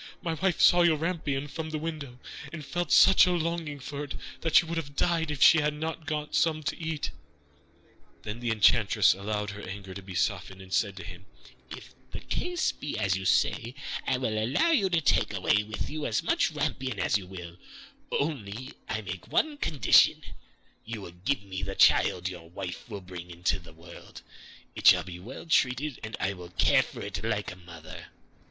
My wife saw your rampion from the window, and felt such a longing for it that she would have died if she had not got some to eat.' Then the enchantress allowed her anger to be softened, and said to him: 'If the case be as you say, I will allow you to take away with you as much rampion as you will, only I make one condition, you must give me the child which your wife will bring into the world; it shall be well treated, and I will care for it like a mother.